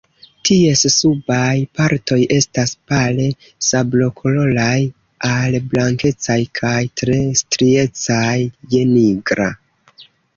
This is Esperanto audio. Ties subaj partoj estas pale sablokoloraj al blankecaj kaj tre striecaj je nigra.